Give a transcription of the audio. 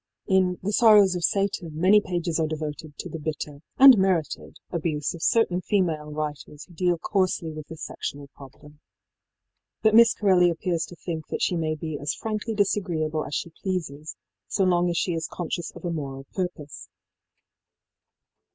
In ëThe Sorrows of Sataní many pages are devoted to the bitter (and merited) abuse of certain female writers who deal coarsely with the sexual problem. But Miss Corelli appears to think that she may be as frankly disagreeable as she pleases so long as she is conscious of a moral purpose.